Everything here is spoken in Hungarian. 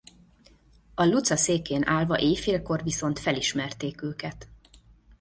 A Luca székén állva éjfélkor viszont felismerték őket.